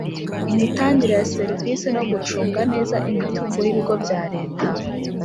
imitangire ya serivisi no gucunga neza imitungo y ibigo bya Leta